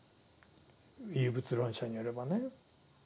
唯物論者によればね。